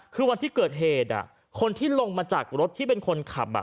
คือวันที่เกิดเหตุคนที่ลงมาจากรถที่เป็นคนขับ